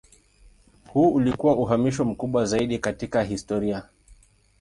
Huu ulikuwa uhamisho mkubwa zaidi katika historia.